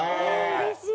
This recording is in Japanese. うれしい！